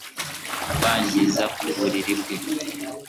kwangiza ku buriri bwe